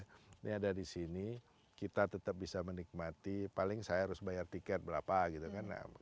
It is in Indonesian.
ini ada di sini kita tetap bisa menikmati paling saya harus bayar tiket berapa gitu kan